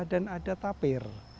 dan ada tapir